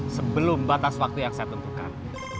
sebelum batas waktu yang saya tentukan